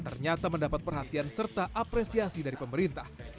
ternyata mendapat perhatian serta apresiasi dari pemerintah